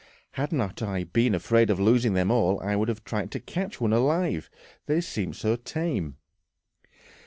Had not I been afraid of losing them all, I would have tried to catch one alive, they seemed so tame."